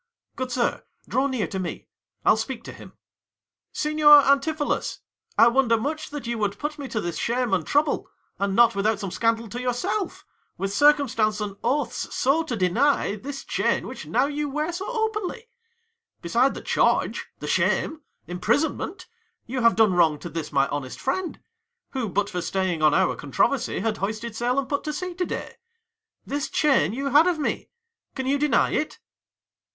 Good sir, draw near to me, I'll speak to him; Signior Antipholus, I wonder much That you would put me to this shame and trouble; And, not without some scandal to yourself, 15 With circumstance and oaths so to deny This chain which now you wear so openly: Beside the charge, the shame, imprisonment, You have done wrong to this my honest friend; Who, but for staying on our controversy, 20 Had hoisted sail and put to sea to day: This chain you had of me; can you deny it? _Ant.